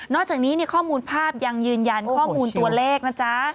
จากนี้ข้อมูลภาพยังยืนยันข้อมูลตัวเลขนะจ๊ะ